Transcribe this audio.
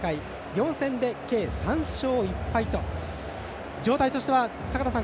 ４戦で計３勝１敗と状態としては、坂田さん